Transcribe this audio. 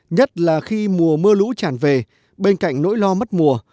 nhất là khi mùa mưa lũ tràn về bên cạnh nỗi lo mất mùa